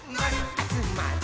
あつまる。